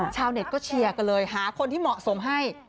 ชาวเน็ตก็เชียร์กันเลยหาคนที่เหมาะสมให้